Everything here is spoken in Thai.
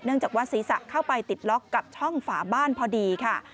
จากว่าศีรษะเข้าไปติดล็อกกับช่องฝาบ้านพอดีค่ะ